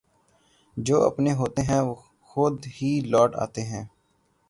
جواپنے ہوتے ہیں وہ خودہی لوٹ آتے ہیں